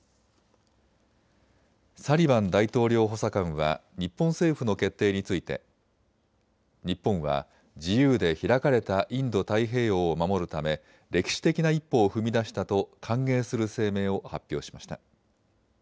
サリバン大統領補佐官は日本政府の決定について日本は自由で開かれたインド太平洋を守るため歴史的な一歩を踏み出したと歓迎する声明を発表しました。